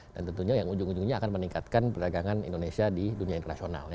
dan tentunya yang ujung ujungnya akan meningkatkan perdagangan indonesia di dunia internasional